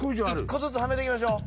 １個ずつはめてきましょう。